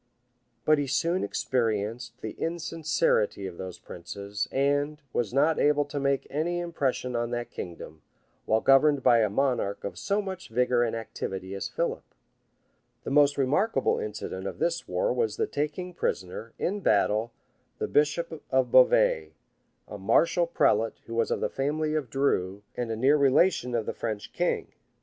[] But he soon experienced the insincerity of those princes; and; was not able to make any impression on that kingdom, while governed by a monarch of so much vigor and activity as Philip. The most remarkable incident of this war was the taking prisoner, in battle, the bishop of Beauvais, a martial prelate who was of the family of Dreux, and a near relation of the French king.